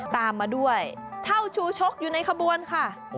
ตามมาด้วยเท่าชูชกอยู่ในขบวนค่ะ